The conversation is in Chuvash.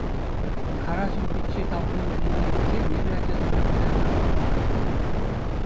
Карачӑм пичче таврӑннӑ тенине илтсен, эпӗ ачасемпе пӗрле ӑна курма чупрӑм.